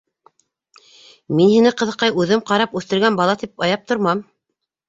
Мин һине, ҡыҙыҡай, үҙем ҡарап үҫтергән бала тип аяп тормам!